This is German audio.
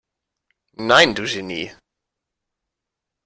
Nein, du Genie!